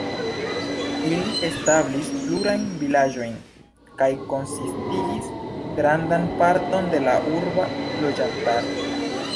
Ili establis plurajn vilaĝojn kaj konsistigis grandan parton de la urba loĝantaro.